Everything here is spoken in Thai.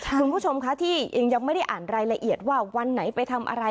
คุณผู้ชมคะที่ยังไม่ได้อ่านรายละเอียดว่าวันไหนไปทำอะไร